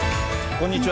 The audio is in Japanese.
こんにちは。